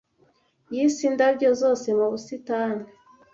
Yise indabyo zose mu busitani.